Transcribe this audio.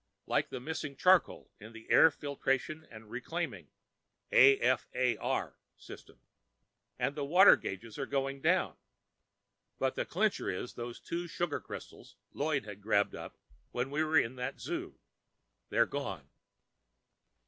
Like the missing charcoal in the air filtration and reclaiming (AFAR) system. And the water gauges are going down. But the clincher is those two sugar crystals Lloyd had grabbed up when we were in that zoo. They're gone.